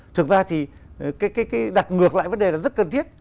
thực ra thì đặt ngược lại vấn đề là rất cần thiết